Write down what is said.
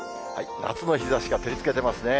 夏の日ざしが照りつけてますね。